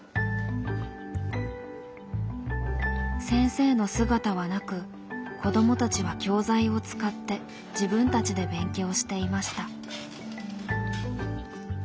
先生の姿はなく子どもたちは教材を使って自分たちで勉強していました。